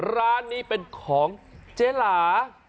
ร้านนี้เป็นของเจ๊หลา